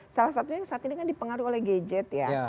salah satunya saat ini kan dipengaruhi oleh gadget ya